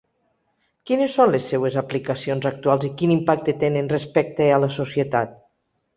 Quines són les seues aplicacions actuals i quin impacte tenen respecte a la societat?